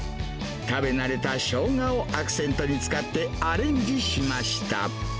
食べ慣れたしょうがをアクセントに使ってアレンジしました。